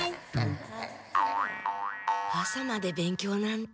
朝まで勉強なんて。